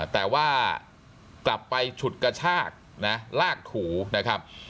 แต่ว่ากลับไปฉุดกระชากนะลากถูนะครับ